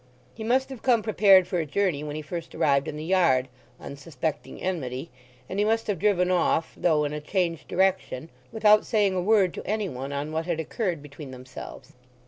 He must have come prepared for a journey when he first arrived in the yard, unsuspecting enmity; and he must have driven off (though in a changed direction) without saying a word to any one on what had occurred between themselves.